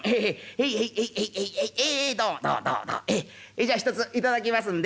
じゃあひとつ頂きますんで。